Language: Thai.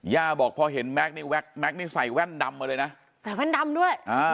บอกพอเห็นแม็กซนี่แม็กซนี่ใส่แว่นดำมาเลยนะใส่แว่นดำด้วย